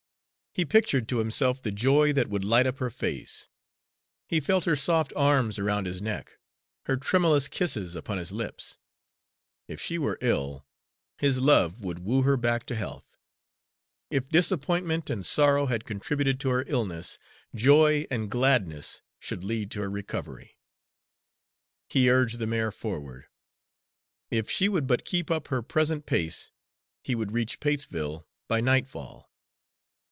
He pictured to himself the joy that would light up her face; he felt her soft arms around his neck, her tremulous kisses upon his lips. If she were ill, his love would woo her back to health, if disappointment and sorrow had contributed to her illness, joy and gladness should lead to her recovery. He urged the mare forward; if she would but keep up her present pace, he would reach Patesville by nightfall.